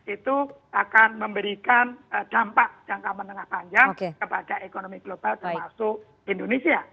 itu akan memberikan dampak jangka menengah panjang kepada ekonomi global termasuk indonesia